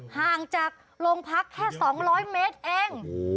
ห่างจากลงพักแค่สองร้อยเมตรเอง